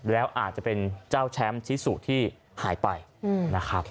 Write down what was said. แล้วอาจจะเป็นเจ้าแชมป์ชิสุที่หายไปนะครับ